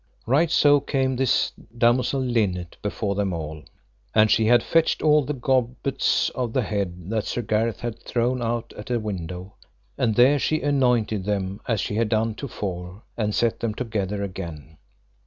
Right so came this damosel Linet before them all, and she had fetched all the gobbets of the head that Sir Gareth had thrown out at a window, and there she anointed them as she had done to fore, and set them together again.